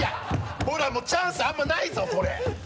ほらもうチャンスあんまりないぞこれ。